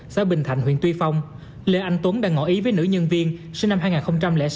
xã bình thạnh huyện tuy phong lê anh tuấn đang ngỏ ý với nữ nhân viên sinh năm hai nghìn sáu